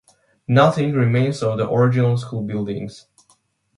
Nothing remains of the original school buildings.